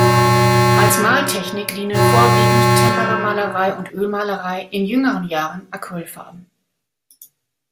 Als Maltechnik dienen vorwiegend Temperamalerei und Ölmalerei, in jüngeren Jahren Acrylfarben.